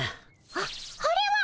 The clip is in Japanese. あっあれは！